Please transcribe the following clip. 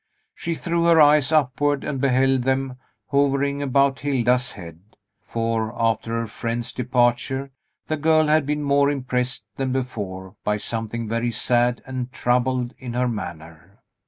She threw her eyes upward and beheld them hovering about Hilda's head; for, after her friend's departure, the girl had been more impressed than before by something very sad and troubled in her manner.